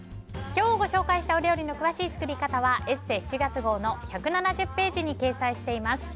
今日ご紹介したお料理の詳しい作り方は「ＥＳＳＥ」７月号の１７０ページに掲載しています。